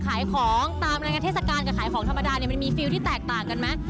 ขายของตามรายงานเทศกาลกับขายของธรรมดาเนี่ยมันมีฟิลที่แตกต่างกันไหม